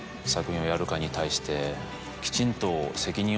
きちんと。